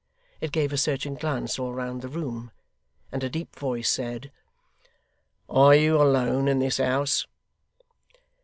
It gave a searching glance all round the room, and a deep voice said: 'Are you alone in this house?